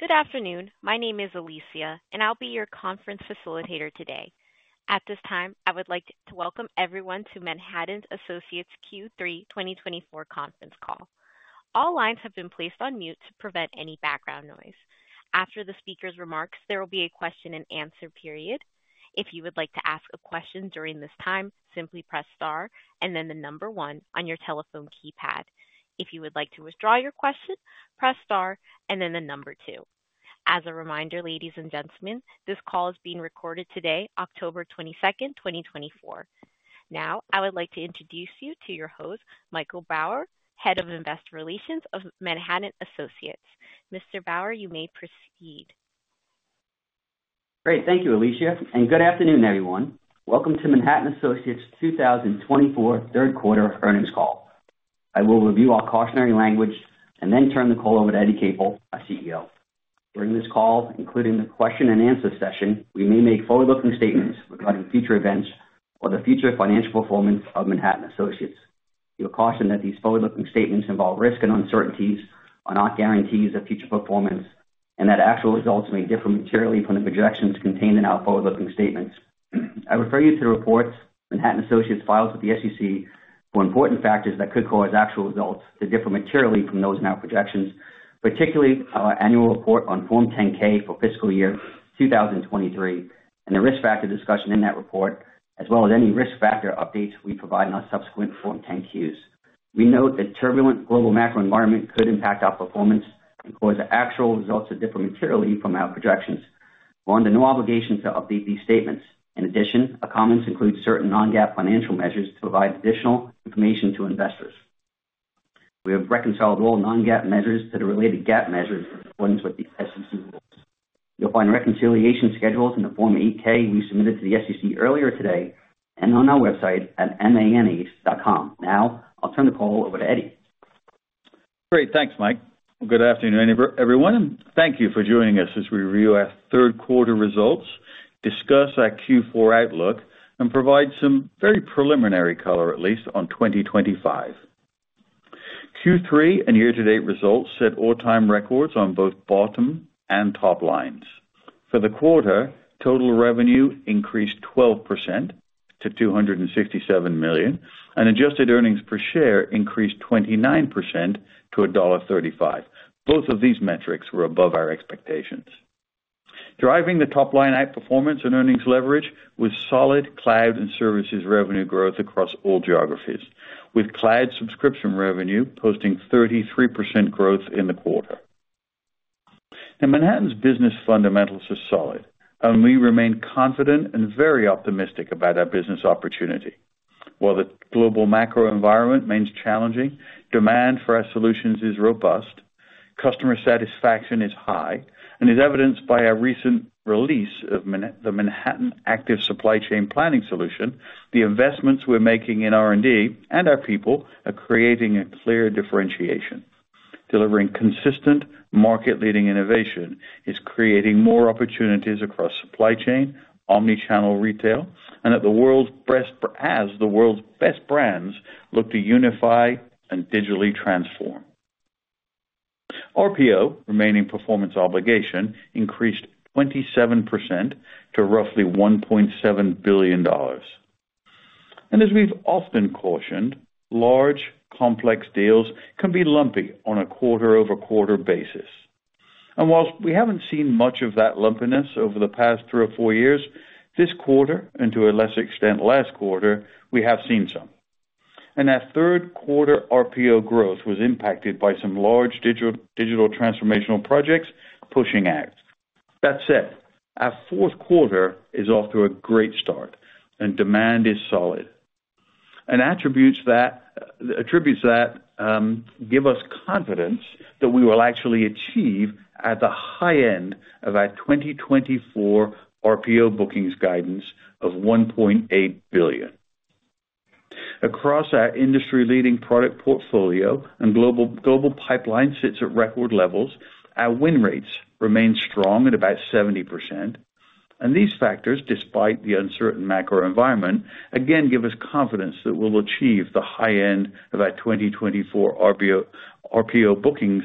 Good afternoon. My name is Alicia, and I'll be your conference facilitator today. At this time, I would like to welcome everyone to Manhattan Associates' Q3 2024 conference call. All lines have been placed on mute to prevent any background noise. After the speaker's remarks, there will be a question and answer period. If you would like to ask a question during this time, simply press star and then the number one on your telephone keypad. If you would like to withdraw your question, press star and then the number two. As a reminder, ladies and gentlemen, this call is being recorded today, October 22nd, 2024. Now, I would like to introduce you to your host, Michael Bauer, Head of Investor Relations of Manhattan Associates. Mr. Bauer, you may proceed. Great. Thank you, Alicia, and good afternoon, everyone. Welcome to Manhattan Associates 2024 third quarter earnings call. I will review our cautionary language and then turn the call over to Eddie Capel, our CEO. During this call, including the question and answer session, we may make forward-looking statements regarding future events or the future financial performance of Manhattan Associates. You're cautioned that these forward-looking statements involve risks and uncertainties, are not guarantees of future performance, and that actual results may differ materially from the projections contained in our forward-looking statements. I refer you to the reports Manhattan Associates files with the SEC for important factors that could cause actual results to differ materially from those in our projections, particularly our annual report on Form 10-K for fiscal year 2023, and the risk factor discussion in that report, as well as any risk factor updates we provide in our subsequent Form 10-Qs. We note that turbulent global macro environment could impact our performance and cause the actual results to differ materially from our projections. We're under no obligation to update these statements. In addition, our comments include certain non-GAAP financial measures to provide additional information to investors. We have reconciled all non-GAAP measures to the related GAAP measures in accordance with the SEC rules. You'll find reconciliation schedules in the Form 8-K we submitted to the SEC earlier today and on our website at manh.com. Now I'll turn the call over to Eddie. Great. Thanks, Mike. Good afternoon, everyone, and thank you for joining us as we review our third quarter results, discuss our Q4 outlook, and provide some very preliminary color, at least on 2025. Q3 and year-to-date results set all-time records on both bottom and top lines. For the quarter, total revenue increased 12% to $267 million, and adjusted earnings per share increased 29% to $1.35. Both of these metrics were above our expectations. Driving the top-line outperformance and earnings leverage was solid cloud and services revenue growth across all geographies, with cloud subscription revenue posting 33% growth in the quarter, and Manhattan's business fundamentals are solid, and we remain confident and very optimistic about our business opportunity. While the global macro environment remains challenging, demand for our solutions is robust, customer satisfaction is high, and as evidenced by our recent release of the Manhattan Active Supply Chain Planning solution, the investments we're making in R&D and our people are creating a clear differentiation. Delivering consistent market-leading innovation is creating more opportunities across supply chain, omnichannel retail, and as the world's best brands look to unify and digitally transform. RPO, Remaining Performance Obligation, increased 27% to roughly $1.7 billion. As we've often cautioned, large, complex deals can be lumpy on a quarter-over-quarter basis. And whilst we haven't seen much of that lumpiness over the past three or four years, this quarter, and to a lesser extent, last quarter, we have seen some. And our third quarter RPO growth was impacted by some large digital transformational projects pushing out. That said, our fourth quarter is off to a great start and demand is solid, and that gives us confidence that we will actually achieve at the high end of our 2024 RPO bookings guidance of $1.8 billion. Across our industry-leading product portfolio and global pipeline sits at record levels. Our win rates remain strong at about 70%, and these factors, despite the uncertain macro environment, again, give us confidence that we'll achieve the high end of our 2024 RPO bookings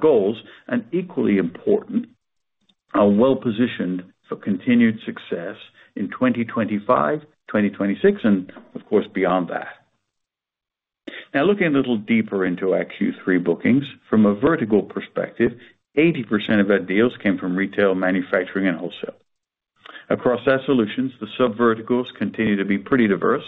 goals, and equally important, are well positioned for continued success in 2025, 2026, and of course, beyond that. Now, looking a little deeper into our Q3 bookings, from a vertical perspective, 80% of our deals came from retail, manufacturing, and wholesale. Across our solutions, the sub verticals continue to be pretty diverse.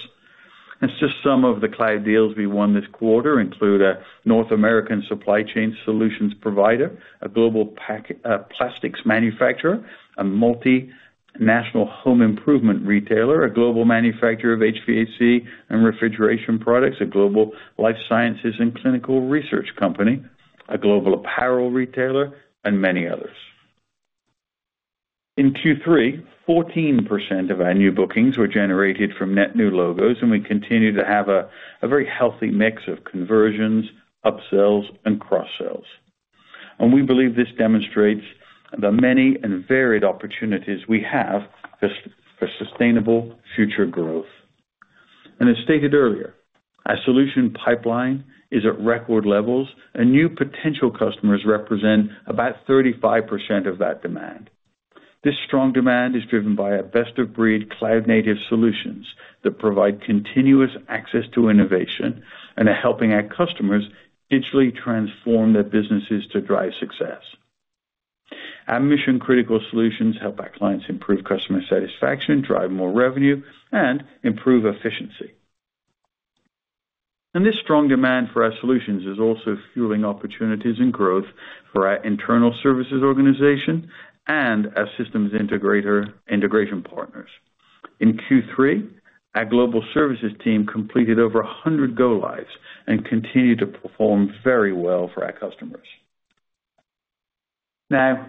Just some of the cloud deals we won this quarter include a North American supply chain solutions provider, a global packaging plastics manufacturer, a multinational home improvement retailer, a global manufacturer of HVAC and refrigeration products, a global life sciences and clinical research company, a global apparel retailer, and many others. In Q3, 14% of our new bookings were generated from net new logos, and we continue to have a very healthy mix of conversions, upsells, and cross-sells. We believe this demonstrates the many and varied opportunities we have for sustainable future growth. As stated earlier, our solution pipeline is at record levels, and new potential customers represent about 35% of that demand. This strong demand is driven by our best-of-breed cloud-native solutions that provide continuous access to innovation and are helping our customers digitally transform their businesses to drive success. Our mission critical solutions help our clients improve customer satisfaction, drive more revenue, and improve efficiency, and this strong demand for our solutions is also fueling opportunities and growth for our internal services organization and our systems integrator, integration partners. In Q3, our global services team completed over 100 go-lives and continued to perform very well for our customers. Now,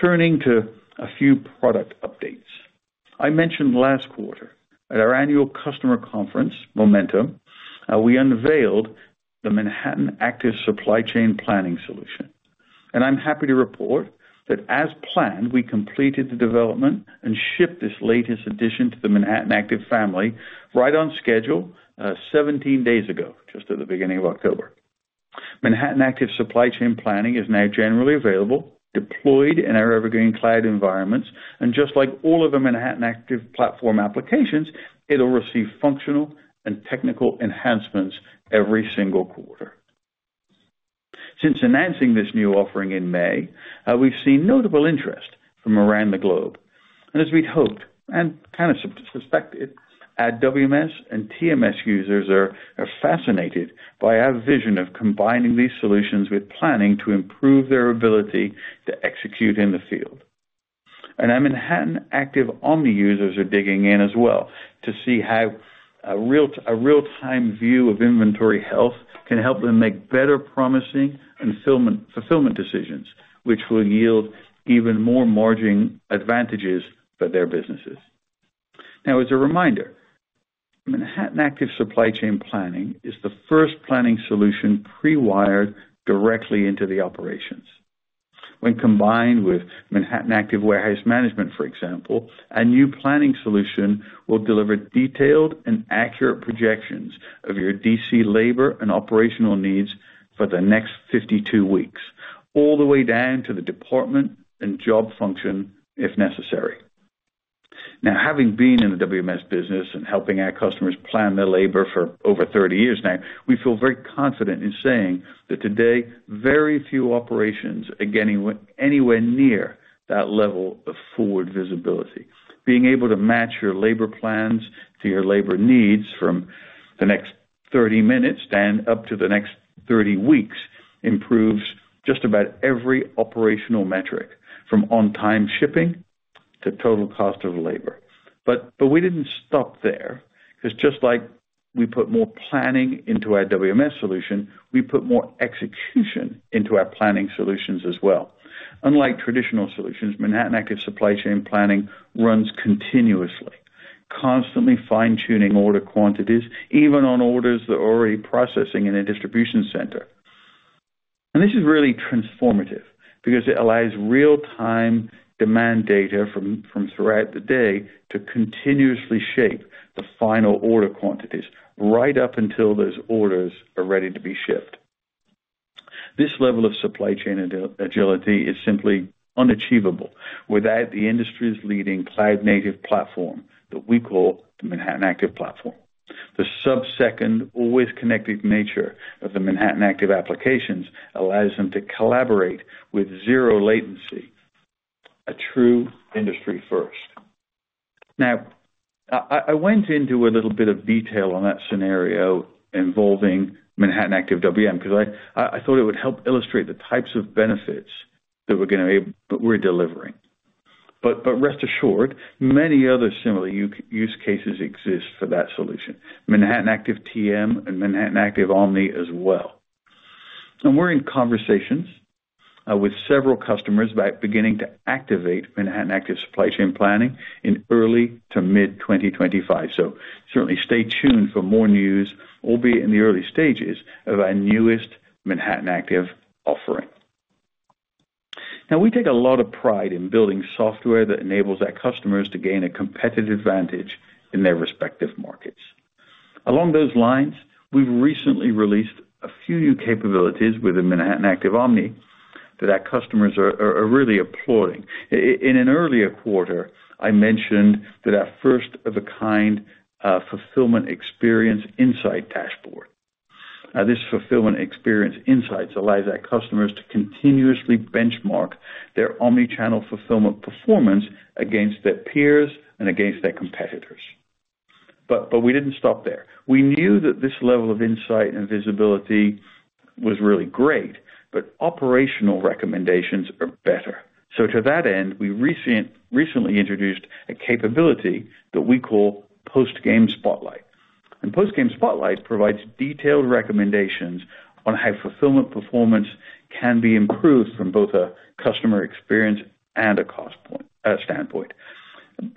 turning to a few product updates. I mentioned last quarter at our annual customer conference, Momentum, how we unveiled the Manhattan Active Supply Chain Planning solution. I'm happy to report that, as planned, we completed the development and shipped this latest addition to the Manhattan Active family right on schedule, 17 days ago, just at the beginning of October. Manhattan Active Supply Chain Planning is now generally available, deployed in our Evergreen Cloud environments, and just like all of the Manhattan Active Platform applications, it'll receive functional and technical enhancements every single quarter. Since announcing this new offering in May, we've seen notable interest from around the globe. As we'd hoped, and kind of as we suspected it, our WMS and TMS users are fascinated by our vision of combining these solutions with planning to improve their ability to execute in the field. Our Manhattan Active Omni users are digging in as well, to see how a real-time view of inventory health can help them make better promising and fulfillment decisions, which will yield even more margin advantages for their businesses. Now, as a reminder, Manhattan Active Supply Chain Planning is the first planning solution pre-wired directly into the operations. When combined with Manhattan Active Warehouse Management, for example, our new planning solution will deliver detailed and accurate projections of your DC labor and operational needs for the next 52 weeks, all the way down to the department and job function, if necessary. Now, having been in the WMS business and helping our customers plan their labor for over thirty years now, we feel very confident in saying that today, very few operations are getting anywhere near that level of forward visibility. Being able to match your labor plans to your labor needs from the next 30 and up to the next thirty weeks, improves just about every operational metric, from on-time shipping to total cost of labor. But we didn't stop there, 'cause just like we put more planning into our WMS solution, we put more execution into our planning solutions as well. Unlike traditional solutions, Manhattan Active Supply Chain Planning runs continuously, constantly fine-tuning order quantities, even on orders that are already processing in a distribution center. This is really transformative because it allows real-time demand data from throughout the day to continuously shape the final order quantities, right up until those orders are ready to be shipped. This level of supply chain agility is simply unachievable without the industry's leading cloud-native platform that we call the Manhattan Active Platform. The sub-second, always connected nature of the Manhattan Active applications allows them to collaborate with zero latency, a true industry first. Now, I went into a little bit of detail on that scenario involving Manhattan Active WM, because I thought it would help illustrate the types of benefits that we're gonna be delivering. But rest assured, many other similar use cases exist for that solution, Manhattan Active TM and Manhattan Active Omni as well. And we're in conversations with several customers about beginning to activate Manhattan Active Supply Chain Planning in early to mid 2025. So certainly stay tuned for more news, albeit in the early stages, of our newest Manhattan Active offering. Now, we take a lot of pride in building software that enables our customers to gain a competitive advantage in their respective markets. Along those lines, we've recently released a few new capabilities with the Manhattan Active Omni that our customers are really applauding. In an earlier quarter, I mentioned that our first-of-a-kind Fulfillment Experience Insights dashboard. This Fulfillment Experience Insights allows our customers to continuously benchmark their omnichannel fulfillment performance against their peers and against their competitors. But we didn't stop there. We knew that this level of insight and visibility was really great, but operational recommendations are better. So to that end, we recently introduced a capability that we call Post-Game Spotlight. And Post-Game Spotlight provides detailed recommendations on how fulfillment performance can be improved from both a customer experience and a cost point standpoint.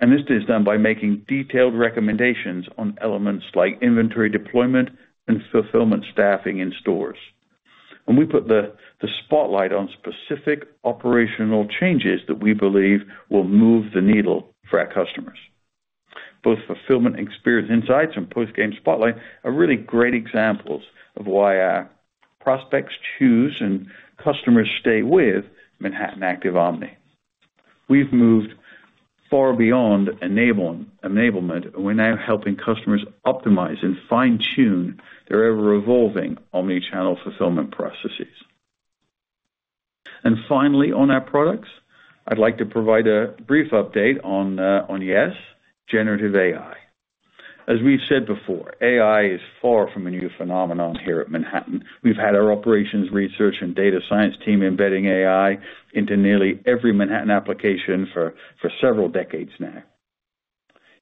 And this is done by making detailed recommendations on elements like inventory deployment and fulfillment staffing in stores. We put the spotlight on specific operational changes that we believe will move the needle for our customers. Both Fulfillment Experience Insights and Post-Game Spotlight are really great examples of why prospects choose and customers stay with Manhattan Active Omni. We've moved far beyond enablement, and we're now helping customers optimize and fine-tune their ever-evolving omnichannel fulfillment processes. Finally, on our products, I'd like to provide a brief update on generative AI. As we've said before, AI is far from a new phenomenon here at Manhattan. We've had our operations research and data science team embedding AI into nearly every Manhattan application for several decades now.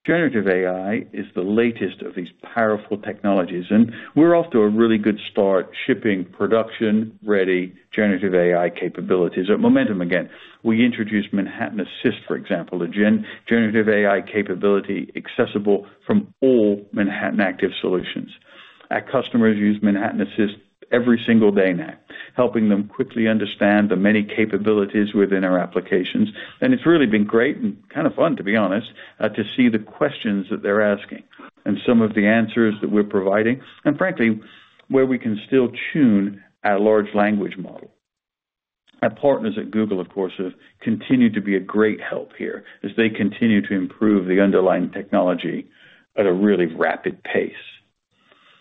Generative AI is the latest of these powerful technologies, and we're off to a really good start shipping production-ready generative AI capabilities. At Momentum, again, we introduced Manhattan Assist, for example, a generative AI capability accessible from all Manhattan Active solutions. Our customers use Manhattan Assist every single day now, helping them quickly understand the many capabilities within our applications. And it's really been great and kind of fun, to be honest, to see the questions that they're asking and some of the answers that we're providing, and frankly, where we can still tune our large language model. Our partners at Google, of course, have continued to be a great help here as they continue to improve the underlying technology at a really rapid pace.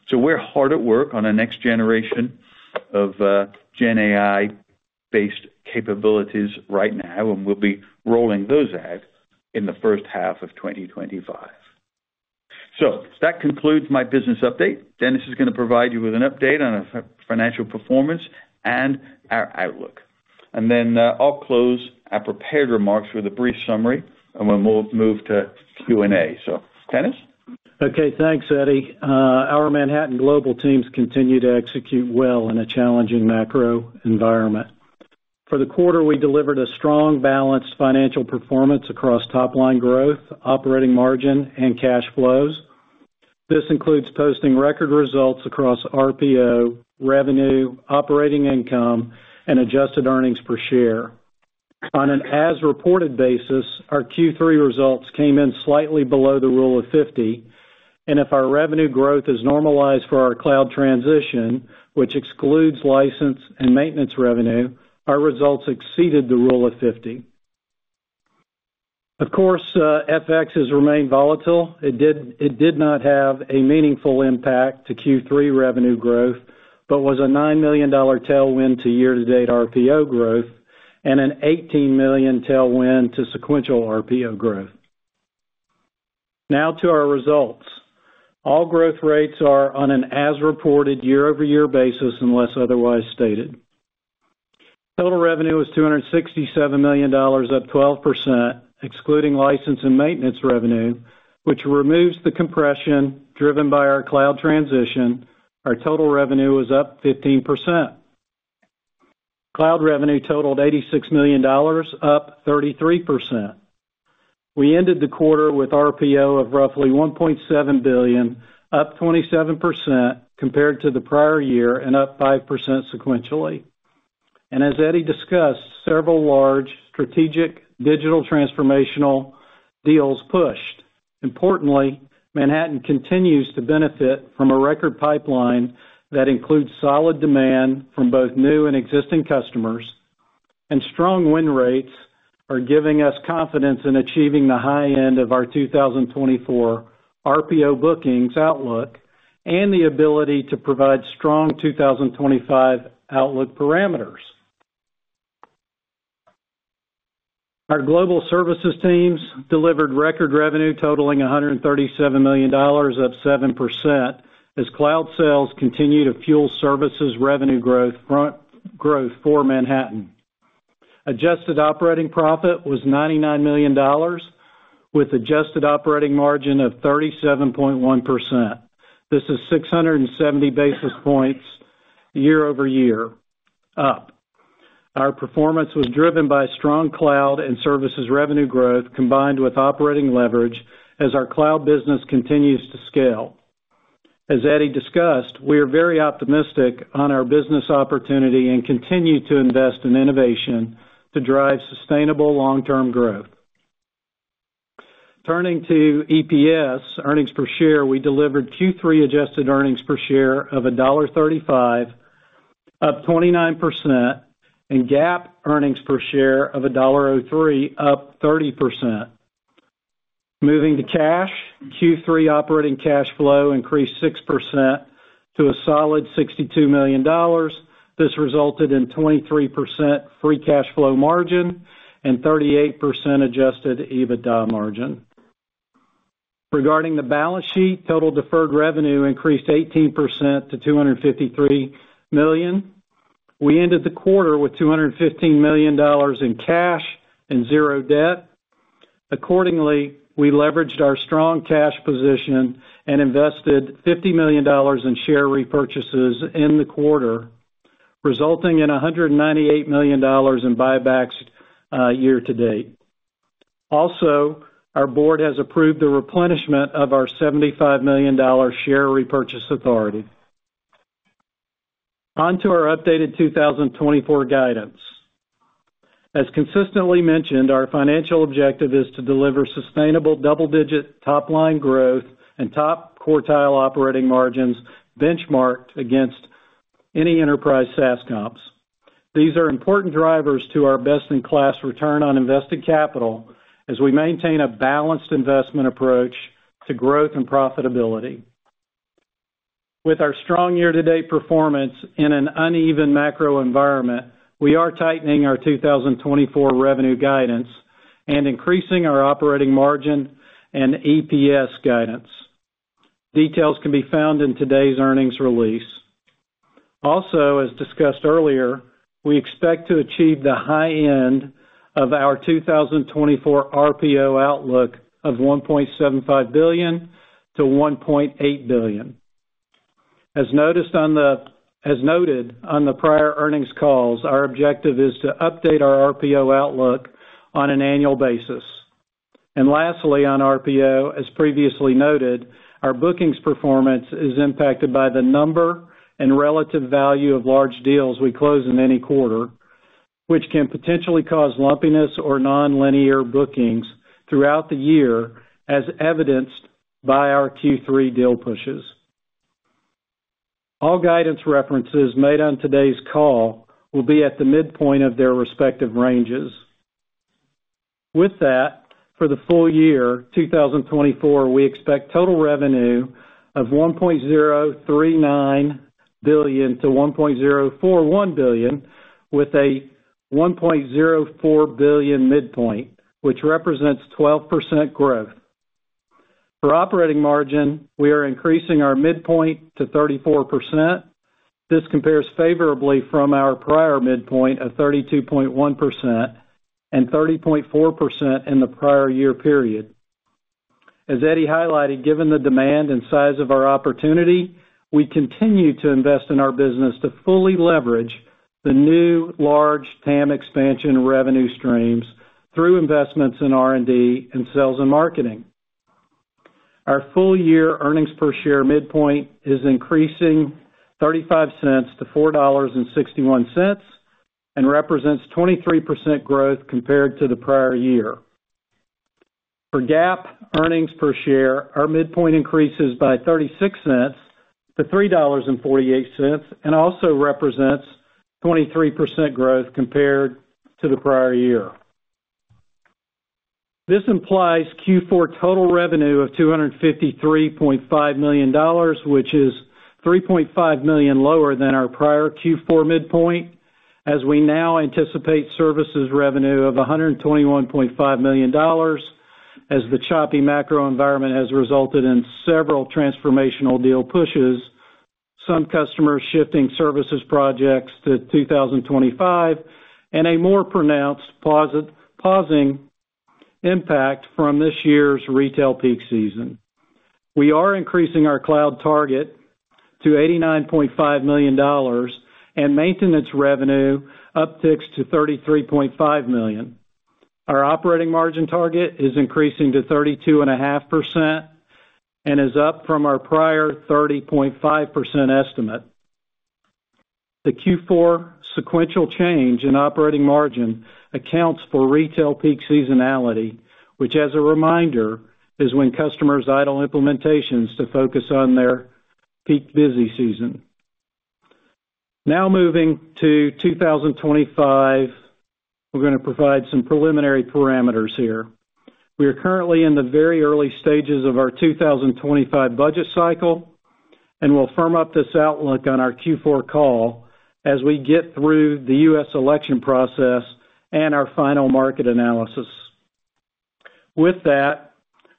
So we're hard at work on our next generation of, Gen AI-based capabilities right now, and we'll be rolling those out in the first half of 2025. So that concludes my business update. Dennis is going to provide you with an update on our financial performance and our outlook. And then, I'll close our prepared remarks with a brief summary, and we'll move to Q&A. So, Dennis? Okay, thanks, Eddie. Our Manhattan global teams continue to execute well in a challenging macro environment. For the quarter, we delivered a strong, balanced financial performance across top-line growth, operating margin, and cash flows. This includes posting record results across RPO, revenue, operating income, and adjusted earnings per share. On an as-reported basis, our Q3 results came in slightly below the Rule of 50, and if our revenue growth is normalized for our cloud transition, which excludes license and maintenance revenue, our results exceeded the Rule of 50. Of course, FX has remained volatile. It did not have a meaningful impact to Q3 revenue growth, but was a $9 million tailwind to year-to-date RPO growth and an $18 million tailwind to sequential RPO growth. Now to our results. All growth rates are on an as-reported year-over-year basis, unless otherwise stated. Total revenue was $267 million, up 12%, excluding license and maintenance revenue, which removes the compression driven by our cloud transition. Our total revenue was up 15%. Cloud revenue totaled $86 million, up 33%. We ended the quarter with RPO of roughly $1.7 billion, up 27% compared to the prior year and up 5% sequentially. And as Eddie discussed, several large strategic digital transformational deals pushed. Importantly, Manhattan continues to benefit from a record pipeline that includes solid demand from both new and existing customers, and strong win rates are giving us confidence in achieving the high end of our 2024 RPO bookings outlook and the ability to provide strong 2025 outlook parameters. Our global services teams delivered record revenue totaling $137 million, up 7%, as cloud sales continue to fuel services revenue growth, fund growth for Manhattan. Adjusted operating profit was $99 million, with adjusted operating margin of 37.1%. This is 670 basis points year-over-year, up. Our performance was driven by strong cloud and services revenue growth, combined with operating leverage as our cloud business continues to scale. As Eddie discussed, we are very optimistic on our business opportunity and continue to invest in innovation to drive sustainable long-term growth. Turning to EPS, earnings per share, we delivered Q3 adjusted earnings per share of $1.35, up 29%, and GAAP earnings per share of $1.03, up 30%. Moving to cash, Q3 operating cash flow increased 6% to a solid $62 million. This resulted in 23% free cash flow margin and 38% adjusted EBITDA margin. Regarding the balance sheet, total deferred revenue increased 18% to $253 million. We ended the quarter with $215 million in cash and zero debt. Accordingly, we leveraged our strong cash position and invested $50 million in share repurchases in the quarter, resulting in $198 million in buybacks year to date. Also, our board has approved the replenishment of our $75 million share repurchase authority. On to our updated 2024 guidance. As consistently mentioned, our financial objective is to deliver sustainable double-digit top line growth and top-quartile operating margins benchmarked against any enterprise SaaS comps. These are important drivers to our best-in-class return on invested capital as we maintain a balanced investment approach to growth and profitability. With our strong year-to-date performance in an uneven macro environment, we are tightening our 2024 revenue guidance and increasing our operating margin and EPS guidance. Details can be found in today's earnings release. Also, as discussed earlier, we expect to achieve the high end of our 2024 RPO outlook of $1.75 billion-$1.8 billion. As noted on the prior earnings calls, our objective is to update our RPO outlook on an annual basis. And lastly, on RPO, as previously noted, our bookings performance is impacted by the number and relative value of large deals we close in any quarter, which can potentially cause lumpiness or nonlinear bookings throughout the year, as evidenced by our Q3 deal pushes. All guidance references made on today's call will be at the midpoint of their respective ranges. With that, for the full year 2024, we expect total revenue of $1.039 billion-$1.041 billion, with a $1.04 billion midpoint, which represents 12% growth. For operating margin, we are increasing our midpoint to 34%. This compares favorably from our prior midpoint of 32.1% and 30.4% in the prior year period. As Eddie highlighted, given the demand and size of our opportunity, we continue to invest in our business to fully leverage the new large TAM expansion revenue streams through investments in R&D and sales and marketing. Our full-year earnings per share midpoint is increasing $0.35 to $4.61 and represents 23% growth compared to the prior year. For GAAP earnings per share, our midpoint increases by $0.36 to $3.48, and also represents 23% growth compared to the prior year. This implies Q4 total revenue of $253.5 million, which is $3.5 million lower than our prior Q4 midpoint, as we now anticipate services revenue of $121.5 million, as the choppy macro environment has resulted in several transformational deal pushes, some customers shifting services projects to 2025, and a more pronounced post-peak pausing impact from this year's retail peak season. We are increasing our cloud target to $89.5 million, and maintenance revenue upticks to $33.5 million. Our operating margin target is increasing to 32.5% and is up from our prior 30.5% estimate. The Q4 sequential change in operating margin accounts for retail peak seasonality, which, as a reminder, is when customers idle implementations to focus on their peak busy season. Now moving to 2025, we're going to provide some preliminary parameters here. We are currently in the very early stages of our 2025 budget cycle, and we'll firm up this outlook on our Q4 call as we get through the U.S. election process and our final market analysis. With that,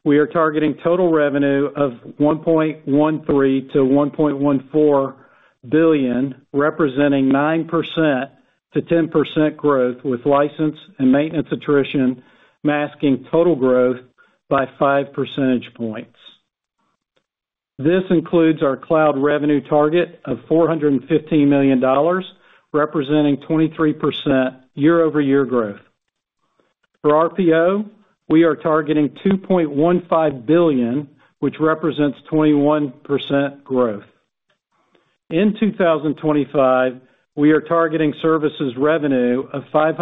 we are targeting total revenue of $1.13-$1.14 billion, representing 9%-10% growth, with license and maintenance attrition masking total growth by 5 percentage points. This includes our cloud revenue target of $415 million, representing 23% year-over-year growth. For RPO, we are targeting $2.15 billion, which represents 21% growth. In 2025, we are targeting services revenue of $565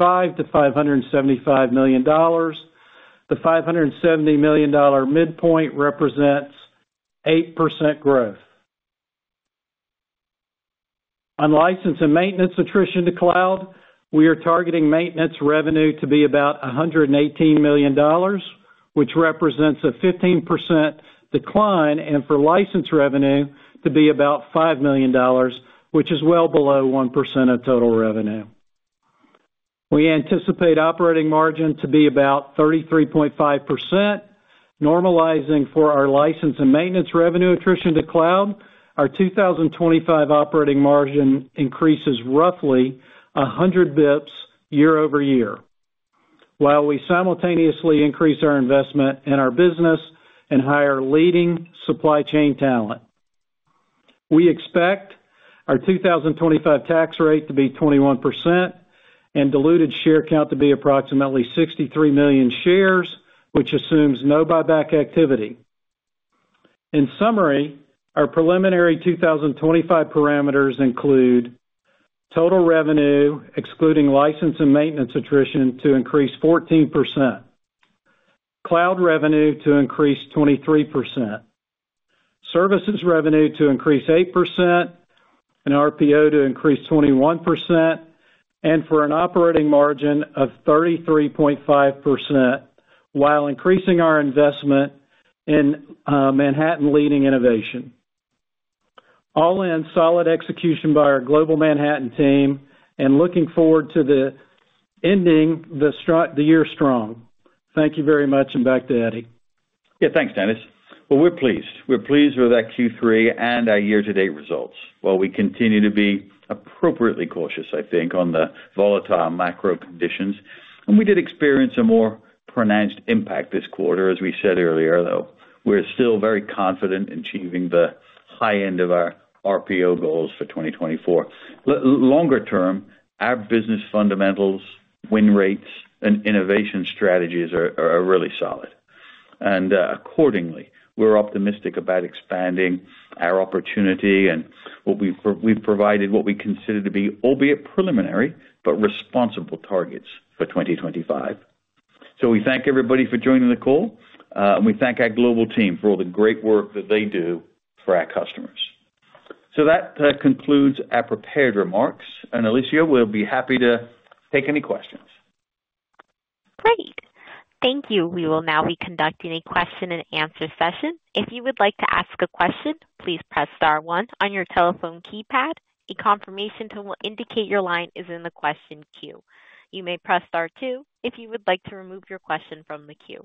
million-$575 million. The $570 million midpoint represents 8% growth. On license and maintenance attrition to cloud, we are targeting maintenance revenue to be about $118 million, which represents a 15% decline, and for license revenue to be about $5 million, which is well below 1% of total revenue. We anticipate operating margin to be about 33.5%, normalizing for our license and maintenance revenue attrition to cloud. Our 2025 operating margin increases roughly 100 basis points year-over-year, while we simultaneously increase our investment in our business and hire leading supply chain talent. We expect our 2025 tax rate to be 21% and diluted share count to be approximately 63 million shares, which assumes no buyback activity. In summary, our preliminary 2025 parameters include total revenue, excluding license and maintenance attrition, to increase 14%, cloud revenue to increase 23%, services revenue to increase 8%, and RPO to increase 21%, and for an operating margin of 33.5%, while increasing our investment in Manhattan leading innovation. All in solid execution by our global Manhattan team and looking forward to ending the year strong. Thank you very much, and back to Eddie. Yeah, thanks, Dennis. Well, we're pleased. We're pleased with that Q3 and our year-to-date results. While we continue to be appropriately cautious, I think, on the volatile macro conditions, and we did experience a more pronounced impact this quarter, as we said earlier, though, we're still very confident in achieving the high end of our RPO goals for 2024. Longer term, our business fundamentals, win rates, and innovation strategies are really solid. And, accordingly, we're optimistic about expanding our opportunity and what we've provided what we consider to be, albeit preliminary, but responsible targets for 2025. So we thank everybody for joining the call, and we thank our global team for all the great work that they do for our customers. So that concludes our prepared remarks, and, Alicia, we'll be happy to take any questions. Great. Thank you. We will now be conducting a question and answer session. If you would like to ask a question, please press star one on your telephone keypad. A confirmation tone will indicate your line is in the question queue. You may press star two if you would like to remove your question from the queue.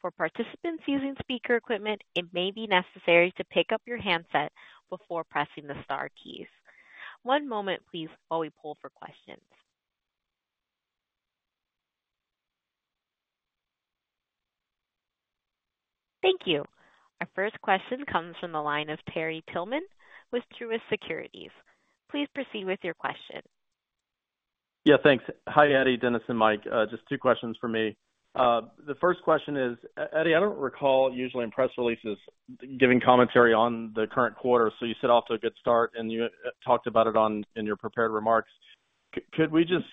For participants using speaker equipment, it may be necessary to pick up your handset before pressing the star keys. One moment, please, while we poll for questions. Thank you. Our first question comes from the line of Terry Tillman with Truist Securities. Please proceed with your question. Yeah, thanks. Hi, Eddie, Dennis, and Mike. Just two questions for me. The first question is, Eddie, I don't recall usually in press releases giving commentary on the current quarter, so you set off to a good start, and you talked about it in your prepared remarks. Could we just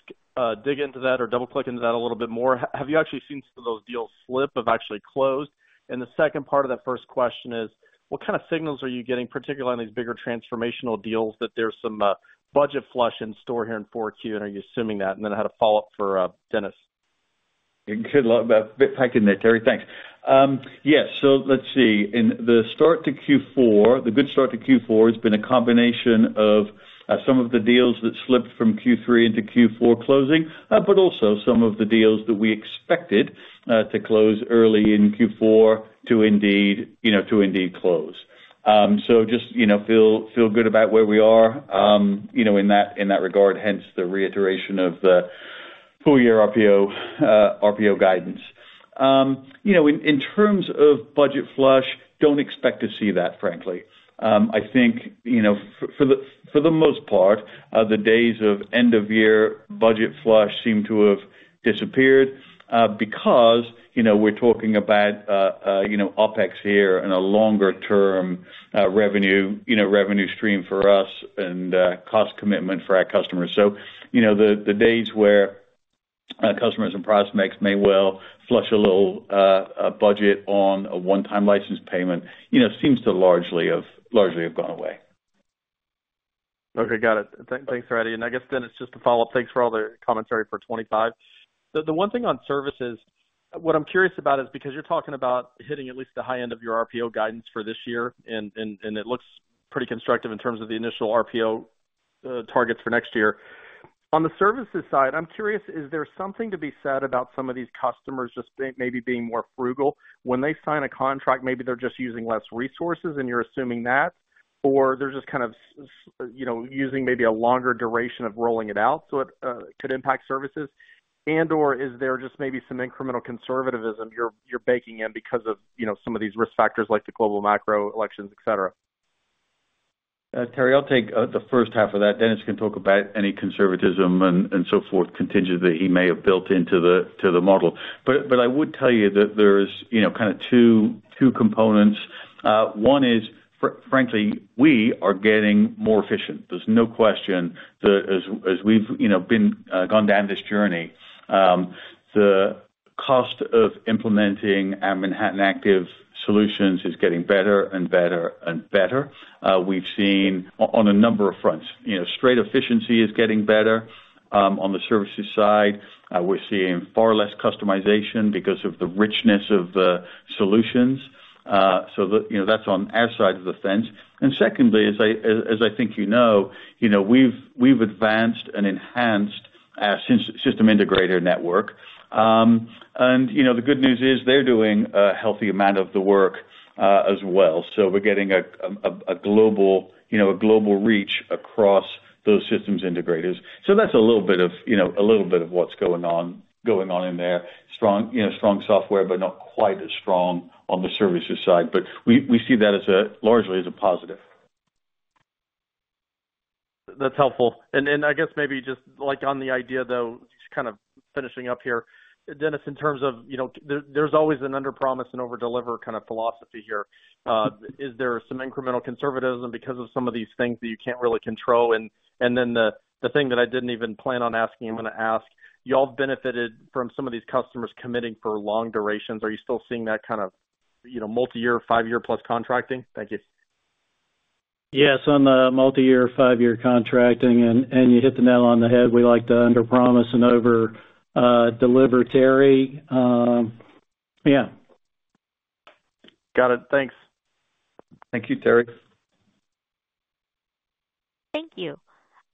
dig into that or double-click into that a little bit more? Have you actually seen some of those deals slip, have actually closed? And the second part of that first question is, what kind of signals are you getting, particularly on these bigger transformational deals, that there's some budget flush in store here in 4Q, and are you assuming that? And then I had a follow-up for Dennis. You got a lot but packed in there, Terry. Thanks. Yes, so let's see. At the start of Q4, the good start to Q4 has been a combination of some of the deals that slipped from Q3 into Q4 closing, but also some of the deals that we expected to close early in Q4 to indeed, you know, close. So just, you know, feel good about where we are, you know, in that regard, hence the reiteration of the full year RPO guidance. You know, in terms of budget flush, don't expect to see that, frankly. I think, you know, for the most part, the days of end-of-year budget flush seem to have disappeared, because, you know, we're talking about, you know, OpEx here and a longer-term, revenue, you know, revenue stream for us and, cost commitment for our customers. So, you know, the days where, customers and prospects may well flush a little, budget on a one-time license payment, you know, seems to largely of, largely have gone away. Okay, got it. Thanks, Eddie. And I guess then it's just a follow-up. Thanks for all the commentary for 2025. The one thing on services, what I'm curious about is because you're talking about hitting at least the high end of your RPO guidance for this year, and it looks pretty constructive in terms of the initial RPO targets for next year. On the services side, I'm curious, is there something to be said about some of these customers just maybe being more frugal? When they sign a contract, maybe they're just using less resources, and you're assuming that, or they're just kind of, you know, using maybe a longer duration of rolling it out, so it could impact services, and/or is there just maybe some incremental conservatism you're baking in because of, you know, some of these risk factors, like the global macro, elections, et cetera? Terry, I'll take the first half of that. Dennis can talk about any conservatism and so forth, contingent that he may have built into the model. But I would tell you that there's, you know, kind of two components. One is, frankly, we are getting more efficient. There's no question that as we've, you know, been gone down this journey, the cost of implementing our Manhattan Active solutions is getting better and better and better. We've seen on a number of fronts. You know, straight efficiency is getting better. On the services side, we're seeing far less customization because of the richness of the solutions. So the, you know, that's on our side of the fence. And secondly, as I think you know, we've advanced and enhanced our systems integrator network. And you know, the good news is they're doing a healthy amount of the work as well. So we're getting a global reach across those systems integrators. So that's a little bit of what's going on in there. Strong software, but not quite as strong on the services side. But we see that as largely a positive. That's helpful. And then, I guess, maybe just like on the idea, though, just kind of finishing up here. Dennis, in terms of, you know, there's always an underpromise and overdeliver kind of philosophy here. Is there some incremental conservatism because of some of these things that you can't really control? And then the thing that I didn't even plan on asking, I'm gonna ask: You all benefited from some of these customers committing for long durations. Are you still seeing that kind of, you know, multiyear, five-year-plus contracting? Thank you. Yes, on the multiyear, five-year contracting, and you hit the nail on the head. We like to underpromise and over deliver, Terry. Yeah. Got it. Thanks. Thank you, Terry. Thank you.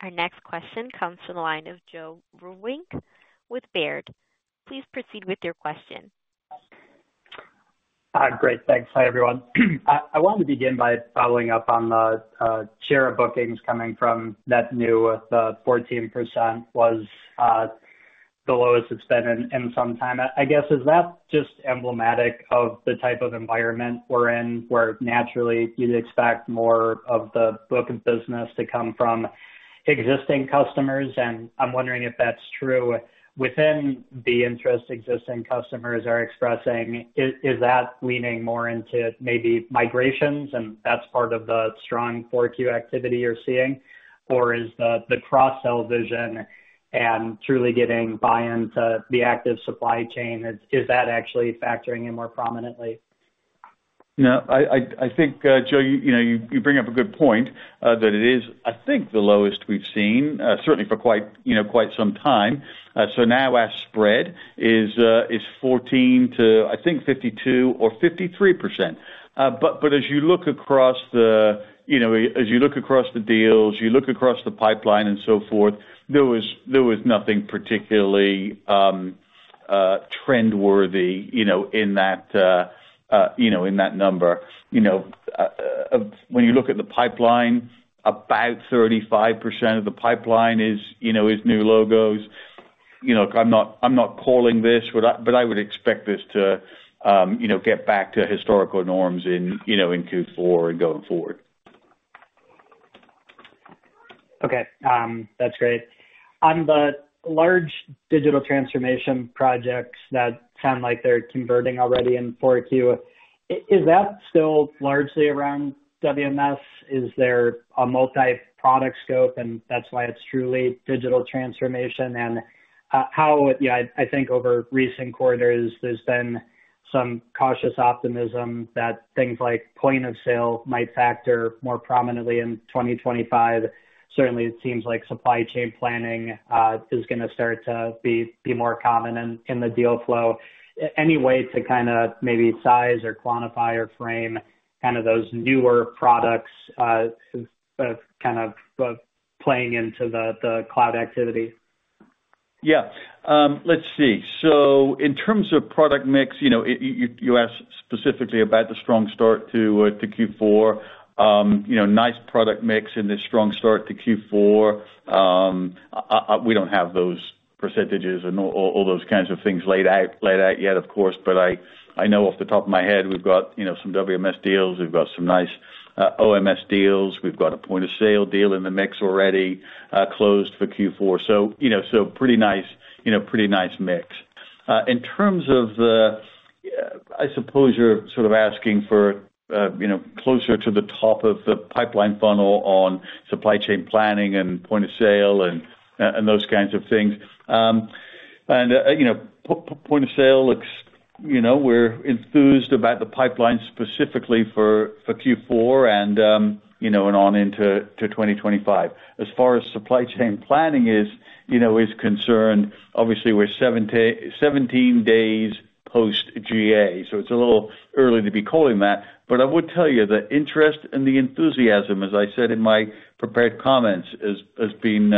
Our next question comes from the line of Joe Vruwink with Baird. Please proceed with your question. Great, thanks. Hi, everyone. I wanted to begin by following up on the share of bookings coming from net new. The 14% was the lowest it's been in some time. I guess, is that just emblematic of the type of environment we're in, where naturally you'd expect more of the book of business to come from existing customers? And I'm wondering if that's true within the interest existing customers are expressing, is that leaning more into maybe migrations, and that's part of the strong Q4 activity you're seeing? Or is the cross-sell vision and truly getting buy-in to the active supply chain, is that actually factoring in more prominently? No, I think, Joe, you know, you bring up a good point, that it is, I think, the lowest we've seen, certainly for quite, you know, quite some time. So now our spread is 14% to, I think, 52% or 53%. But as you look across the, you know, as you look across the deals, you look across the pipeline and so forth, there was nothing particularly trend-worthy, you know, in that number. You know, when you look at the pipeline, about 35% of the pipeline is, you know, new logos. You know, I'm not calling this, but I would expect this to, you know, get back to historical norms in, you know, in Q4 and going forward. Okay. That's great. On the large digital transformation projects that sound like they're converting already in 4Q, is that still largely around WMS? Is there a multi-product scope, and that's why it's truly digital transformation? And, how, you know, I think over recent quarters, there's been some cautious optimism that things like point-of-sale might factor more prominently in 2025. Certainly, it seems like supply chain planning is gonna start to be more common in the deal flow. Any way to kind of maybe size or quantify or frame kind of those newer products, kind of, playing into the cloud activity? Yeah. Let's see. So in terms of product mix, you know, you asked specifically about the strong start to Q4. You know, nice product mix in this strong start to Q4. We don't have those percentages and all those kinds of things laid out yet, of course, but I know off the top of my head, we've got, you know, some WMS deals, we've got some nice OMS deals. We've got a point-of-sale deal in the mix already, closed for Q4. So, you know, so pretty nice, you know, pretty nice mix. In terms of the, I suppose you're sort of asking for, you know, closer to the top of the pipeline funnel on supply chain planning and point of sale and those kinds of things. And, you know, point of sale looks, you know, we're enthused about the pipeline specifically for Q4 and, you know, and on into 2025. As far as supply chain planning is, you know, concerned, obviously we're 17 days post GA, so it's a little early to be calling that. But I would tell you the interest and the enthusiasm, as I said in my prepared comments, has been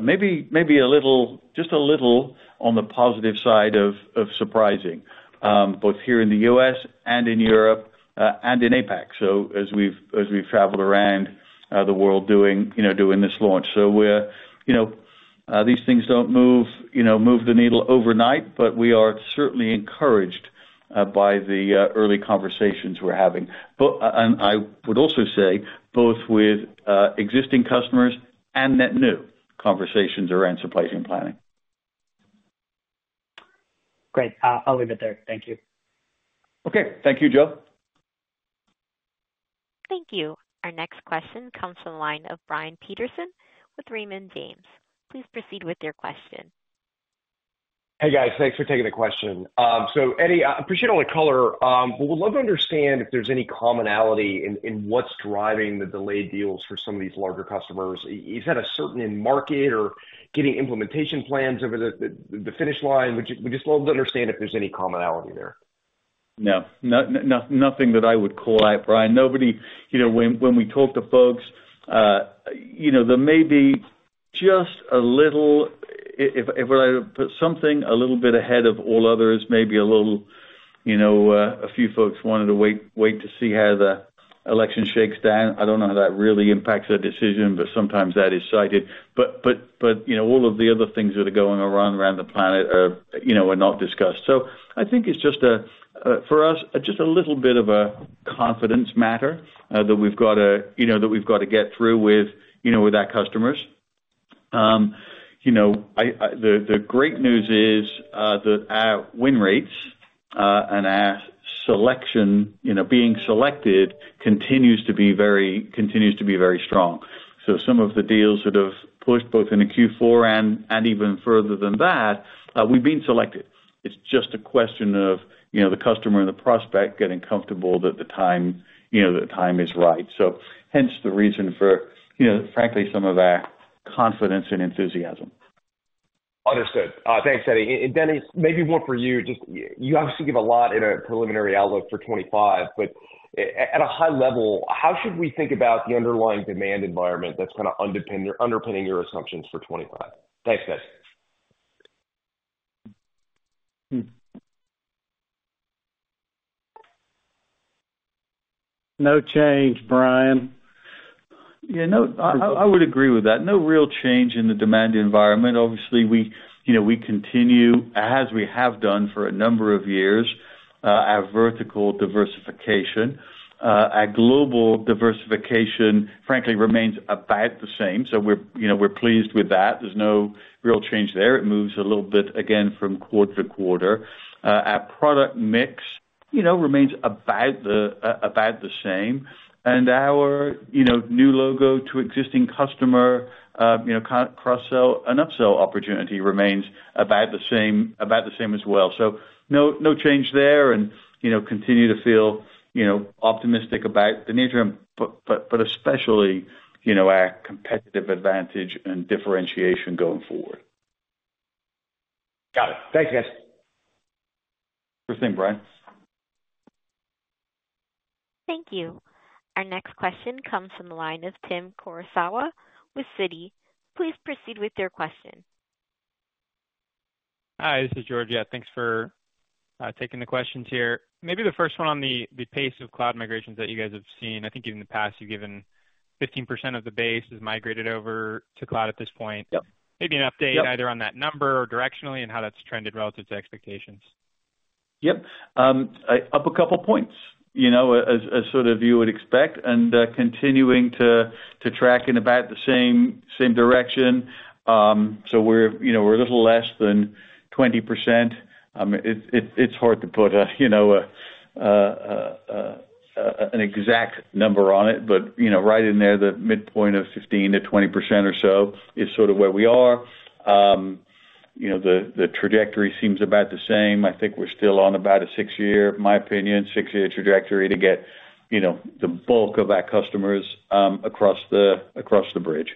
maybe a little, just a little on the positive side of surprising both here in the U.S. and in Europe and in APAC. So as we've traveled around the world, you know, doing this launch. So we're, you know, these things don't move the needle overnight, but we are certainly encouraged by the early conversations we're having. And I would also say both with existing customers and net new conversations around supply chain planning. Great. I'll leave it there. Thank you. Okay. Thank you, Joe. Thank you. Our next question comes from the line of Brian Peterson with Raymond James. Please proceed with your question. Hey, guys. Thanks for taking the question. So Eddie, I appreciate all the color, but would love to understand if there's any commonality in what's driving the delayed deals for some of these larger customers. Is that a certain in market or getting implementation plans over the finish line? We just love to understand if there's any commonality there. No, nothing that I would call out, Brian. Nobody. You know, when we talk to folks, you know, there may be. Just a little, if I put something a little bit ahead of all others, maybe a little, you know, a few folks wanted to wait to see how the election shakes down. I don't know how that really impacts their decision, but sometimes that is cited. But, you know, all of the other things that are going around the planet are, you know, not discussed. So I think it's just a, for us, just a little bit of a confidence matter, that we've got to, you know, get through with, you know, with our customers. You know, the great news is that our win rates and our selection, you know, being selected, continues to be very strong. So some of the deals that have pushed both into Q4 and even further than that, we've been selected. It's just a question of, you know, the customer and the prospect getting comfortable that the time is right. So hence the reason for, you know, frankly, some of our confidence and enthusiasm. Understood. Thanks, Eddie. And Denny, maybe one for you. Just, you obviously give a lot in a preliminary outlook for 2025, but at a high level, how should we think about the underlying demand environment that's kind of underpinning your assumptions for 2025? Thanks, guys. No change, Brian. Yeah, no, I would agree with that. No real change in the demand environment. Obviously, we, you know, we continue, as we have done for a number of years, our vertical diversification. Our global diversification, frankly, remains about the same. So we're, you know, we're pleased with that. There's no real change there. It moves a little bit, again, from quarter to quarter. Our product mix, you know, remains about the same. And our, you know, new logo to existing customer, you know, cross-sell and upsell opportunity remains about the same, about the same as well. So no, no change there and, you know, continue to feel, you know, optimistic about the near term, but especially, you know, our competitive advantage and differentiation going forward. Got it. Thanks, guys. Thanks, Brian. Thank you. Our next question comes from the line of Tim Kurosawa with Citi. Please proceed with your question. Hi, this is George. Yeah, thanks for taking the questions here. Maybe the first one on the pace of cloud migrations that you guys have seen. I think in the past, you've given 15% of the base is migrated over to cloud at this point. Yep. Maybe an update, either on that number or directionally, and how that's trended relative to expectations. Yep. I up a couple points, you know, as sort of you would expect, and continuing to track in about the same direction. So we're, you know, we're a little less than 20%. It's hard to put a, you know, an exact number on it, but, you know, right in there, the midpoint of 15%-20% or so is sort of where we are. You know, the trajectory seems about the same. I think we're still on about a six-year, my opinion, six-year trajectory to get, you know, the bulk of our customers across the bridge.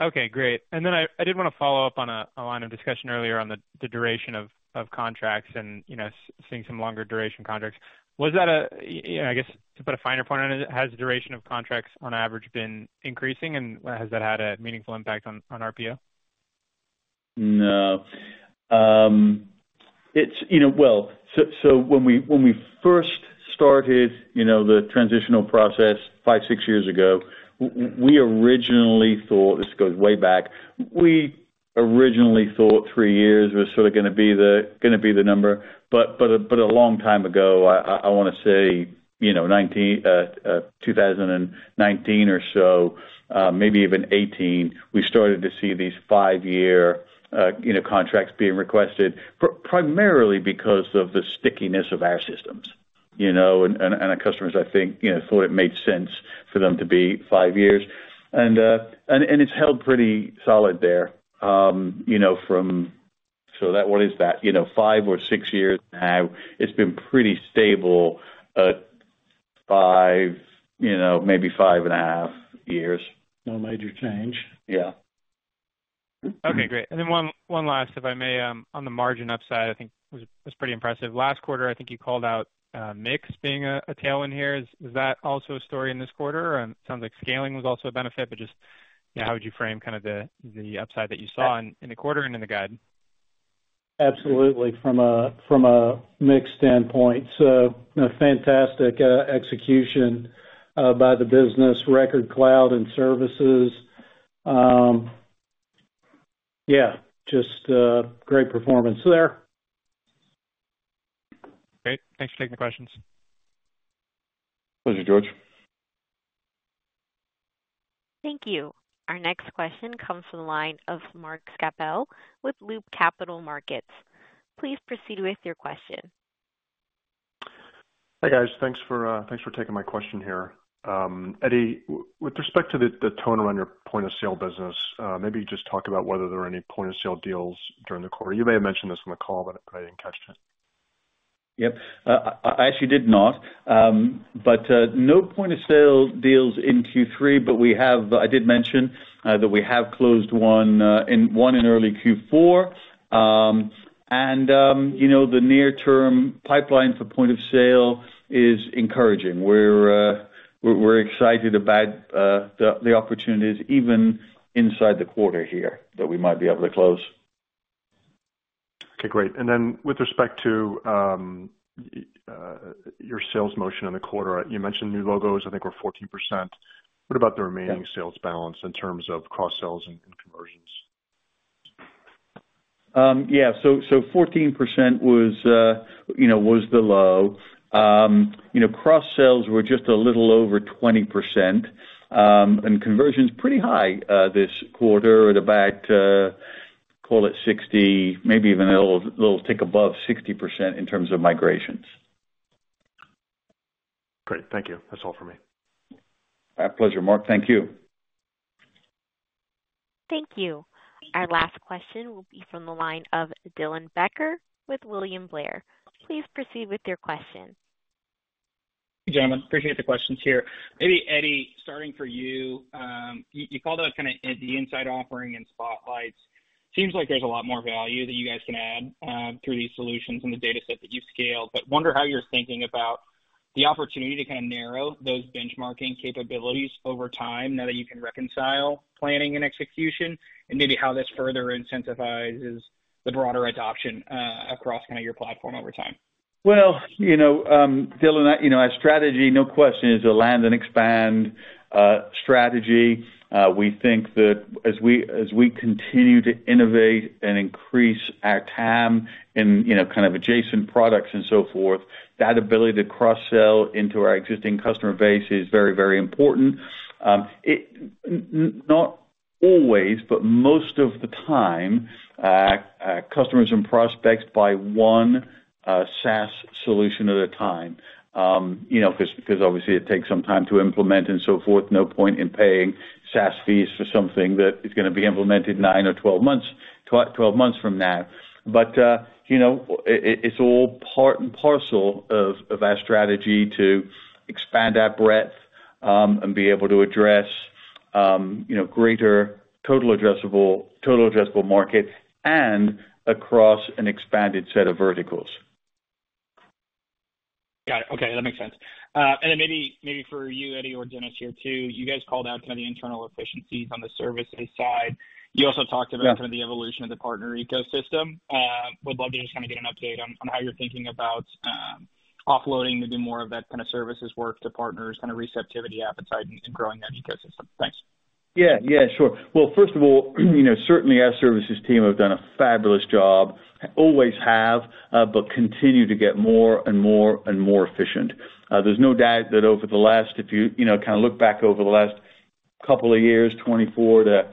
Okay, great. And then I did want to follow up on a line of discussion earlier on the duration of contracts and, you know, seeing some longer duration contracts. Was that a you know, I guess, to put a finer point on it, has the duration of contracts on average been increasing, and has that had a meaningful impact on RPO? No. It's, you know, well, so when we first started, you know, the transitional process five, six years ago, we originally thought, this goes way back, we originally thought three years was sort of gonna be the number. But a long time ago, I want to say, you know, 2019 or so, maybe even 2018, we started to see these five-year contracts being requested, primarily because of the stickiness of our systems, you know, and our customers, I think, you know, thought it made sense for them to be five years. And it's held pretty solid there, you know, from... So that, what is that? You know, five or six years now, it's been pretty stable, at five, you know, maybe five and a half years. No major change. Yeah. Okay, great. And then one last, if I may. On the margin upside, I think it was pretty impressive. Last quarter, I think you called out mix being a tailwind here. Is that also a story in this quarter? It sounds like scaling was also a benefit, but just, yeah, how would you frame kind of the upside that you saw in the quarter and in the guide? Absolutely, from a mix standpoint. So, a fantastic execution by the business, record cloud and services. Yeah, just great performance there. Great. Thanks for taking the questions. Thank you, George. Thank you. Our next question comes from the line of Mark Schappel with Loop Capital Markets. Please proceed with your question. Hi, guys. Thanks for taking my question here. Eddie, with respect to the tone around your point-of-sale business, maybe just talk about whether there are any point-of-sale deals during the quarter. You may have mentioned this on the call, but I didn't catch it. Yep. I actually did not. No point of sale deals in Q3, but we have. I did mention that we have closed one in early Q4, and you know, the near-term pipeline for point of sale is encouraging. We're excited about the opportunities even inside the quarter here that we might be able to close. Okay, great. And then with respect to your sales motion in the quarter, you mentioned new logos, I think were 14%. What about the remaining sales balance in terms of cross-sales and conversions? Yeah, so 14% was, you know, was the low. You know, cross-sales were just a little over 20%, and conversion's pretty high this quarter at about, call it 60, maybe even a little tick above 60% in terms of migrations. Great. Thank you. That's all for me. My pleasure, Mark. Thank you. Thank you. Our last question will be from the line of Dylan Becker with William Blair. Please proceed with your question. Hey, gentlemen, appreciate the questions here. Maybe, Eddie, starting for you. You called out kinda the Insight offering and spotlights. Seems like there's a lot more value that you guys can add through these solutions and the data set that you've scaled, but wonder how you're thinking about the opportunity to kinda narrow those benchmarking capabilities over time now that you can reconcile planning and execution, and maybe how this further incentivizes the broader adoption across kind of your platform over time? You know, Dylan, you know, our strategy, no question, is a land and expand strategy. We think that as we continue to innovate and increase our TAM in, you know, kind of adjacent products and so forth, that ability to cross-sell into our existing customer base is very, very important. It not always, but most of the time, customers and prospects buy one SaaS solution at a time, you know, 'cause obviously it takes some time to implement and so forth. No point in paying SaaS fees for something that is gonna be implemented nine or 12 months, 12 months from now. But, you know, it's all part and parcel of our strategy to expand our breadth, and be able to address, you know, greater total addressable market and across an expanded set of verticals. Got it. Okay, that makes sense. And then maybe, maybe for you, Eddie, or Dennis here too, you guys called out kind of the internal efficiencies on the services side. You also talked about kind of the evolution of the partner ecosystem. Would love to just kinda get an update on how you're thinking about offloading maybe more of that kind of services work to partners, kind of receptivity, appetite, and growing that ecosystem. Thanks. Yeah, yeah, sure. Well, first of all, you know, certainly our services team have done a fabulous job. Always have, but continue to get more and more and more efficient. There's no doubt that over the last, if you, you know, kind of look back over the last couple of years, 24 to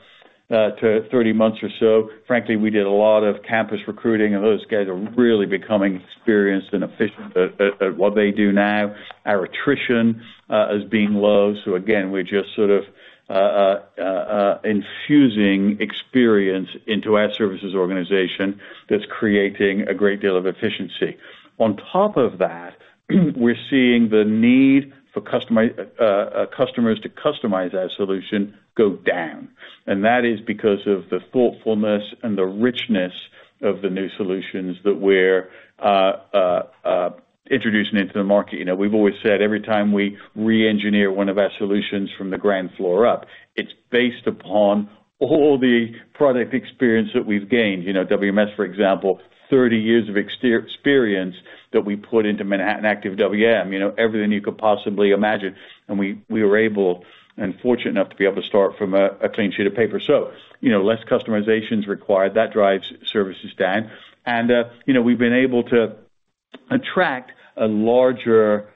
30 months or so, frankly, we did a lot of campus recruiting, and those guys are really becoming experienced and efficient at what they do now. Our attrition is being low, so again, we're just sort of infusing experience into our services organization that's creating a great deal of efficiency. On top of that, we're seeing the need for customers to customize our solution go down, and that is because of the thoughtfulness and the richness of the new solutions that we're introducing into the market. You know, we've always said, every time we reengineer one of our solutions from the ground floor up, it's based upon all the product experience that we've gained. You know, WMS, for example, 30 years of experience that we put into Manhattan Active WM. You know, everything you could possibly imagine, and we were able and fortunate enough to be able to start from a clean sheet of paper. So, you know, less customizations required, that drives services down. You know, we've been able to attract a larger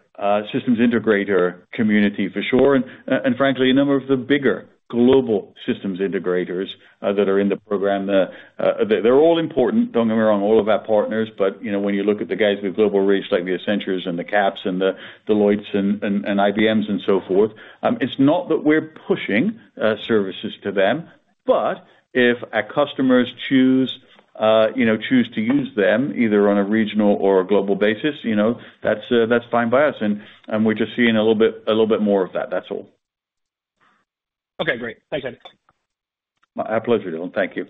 systems integrator community for sure, and frankly, a number of the bigger global systems integrators that are in the program. They're all important, don't get me wrong, all of our partners, but you know, when you look at the guys with global reach, like the Accentures and the Caps and the Deloittes and IBMs and so forth, it's not that we're pushing services to them, but if our customers choose, you know, choose to use them, either on a regional or a global basis, you know, that's fine by us, and we're just seeing a little bit more of that, that's all. Okay, great. Thanks, Eddie. My pleasure, Dylan. Thank you.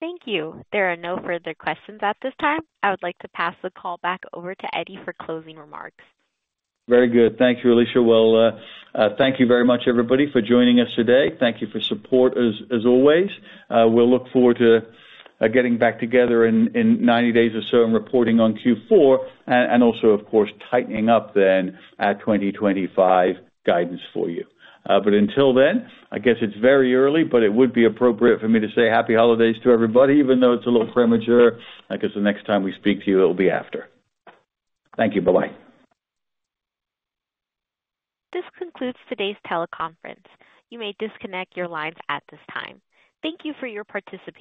Thank you. There are no further questions at this time. I would like to pass the call back over to Eddie for closing remarks. Very good. Thank you, Alicia. Thank you very much, everybody, for joining us today. Thank you for support, as always. We'll look forward to getting back together in 90 days or so and reporting on Q4, and also, of course, tightening up then our 2025 guidance for you. But until then, I guess it's very early, but it would be appropriate for me to say happy holidays to everybody, even though it's a little premature. I guess the next time we speak to you, it'll be after. Thank you. Bye-bye. This concludes today's teleconference. You may disconnect your lines at this time. Thank you for your participation.